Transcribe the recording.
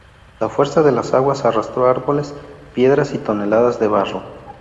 La fuerza de las aguas arrastró árboles, piedras y toneladas de barro.